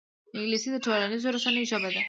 انګلیسي د ټولنیزو رسنیو ژبه ده